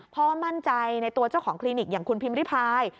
ว่ามั่นใจในตัวเจ้าของคลินิกอย่างคุณพิมพิพาย